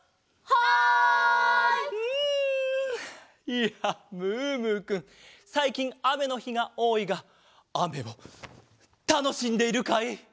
いやムームーくんさいきんあめのひがおおいがあめはたのしんでいるかい？